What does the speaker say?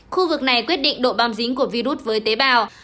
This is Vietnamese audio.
khu vực này quyết định độ băm dính của virus với tế bào